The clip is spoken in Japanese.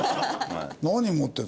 何持ってるの？